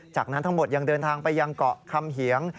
จากนั้นทั้งหมดยังเดินทางไปยังเกาะคำเหียง